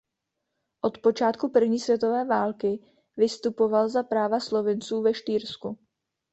Od počátku první světové války vystupoval za práva Slovinců ve Štýrsku.